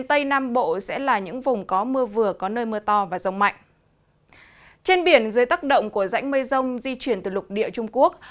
trên biển dưới tác động của rãnh mây rông di chuyển từ lục địa trung quốc